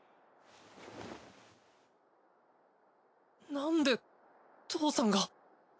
なんで父さんが？